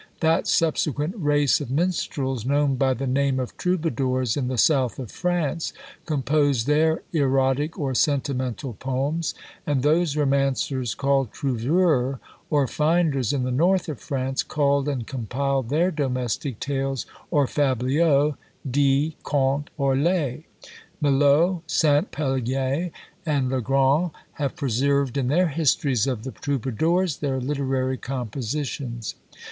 That subsequent race of minstrels, known by the name of Troubadours in the South of France, composed their erotic or sentimental poems; and those romancers called Troveurs, or finders, in the North of France, culled and compiled their domestic tales or Fabliaux, Dits, Conte, or Lai. Millot, Sainte Palaye, and Le Grand, have preserved, in their "Histories of the Troubadours," their literary compositions.